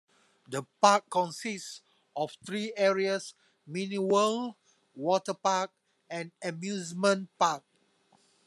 The park consists of three areas: Mini World, Water Park, and Amusement Park.